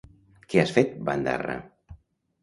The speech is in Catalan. ¿Què has fet, bandarra?